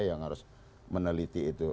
yang harus meneliti itu